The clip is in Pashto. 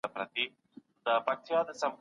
سياست پوهنه د انساني اړيکو پېچلې برخه څېړي.